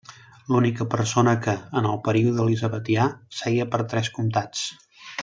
L'única persona que, en el període elisabetià, seia per tres comtats.